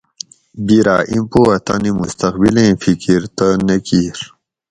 بیراۤ ایں پو ہ تانی مستقبلیں فکر تہ نہ کِیر